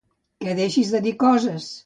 Que deixis de dir coses.